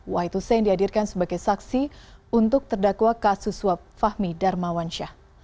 wai tusein dihadirkan sebagai saksi untuk terdakwa kasus suap fahmi darmawansyah